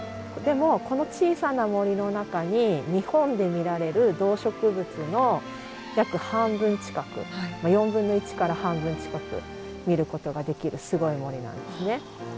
でもこの小さな森の中に日本で見られる動植物の約半分近く４分の１から半分近く見ることができるすごい森なんですね。